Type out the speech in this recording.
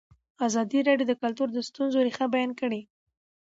ازادي راډیو د کلتور د ستونزو رېښه بیان کړې.